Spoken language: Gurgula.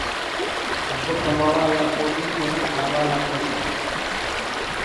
اب ڪمآوآ لآ ڪوڏيٚ ڪونآ کآوآ لآ کڙيٚ